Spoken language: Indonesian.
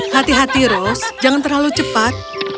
hati hati rose jangan terlalu cepat